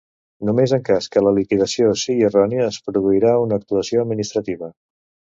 Només en cas que la liquidació sigui errònia es produirà una actuació administrativa.